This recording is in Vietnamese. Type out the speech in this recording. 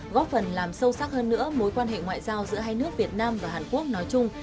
góp phần làm sâu sắc hơn nữa mối quan hệ ngoại giao giữa hai nước việt nam và hàn quốc nói chung